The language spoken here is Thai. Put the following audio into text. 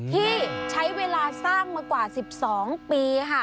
ที่ใช้เวลาสร้างมากว่า๑๒ปีค่ะ